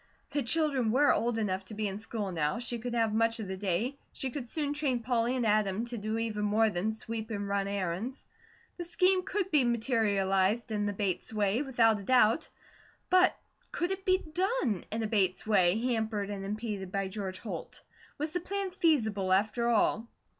The children were old enough to be in school now, she could have much of the day, she could soon train Polly and Adam to do even more than sweep and run errands; the scheme could be materialized in the Bates way, without a doubt; but could it be done in a Bates way, hampered and impeded by George Holt? Was the plan feasible, after all?